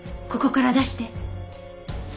ここから出して。